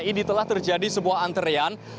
ini telah terjadi sebuah antrean